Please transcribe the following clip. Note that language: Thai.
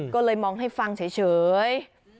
ก็เลยมองให้ฟังเฉย